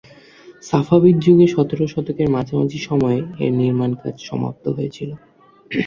Safavid যুগে সতেরো শতকের মাঝামাঝি সময়ে এর নির্মাণকাজ সমাপ্ত হয়েছিল।